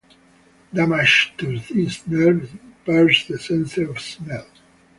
Damage to this nerve impairs the sense of smell.